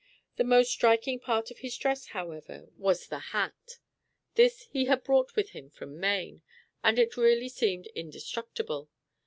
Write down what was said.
The most striking part of his dress, however, was the hat. This he had brought with him from Maine, and it really seemed indestructible.